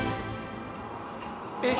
えっ？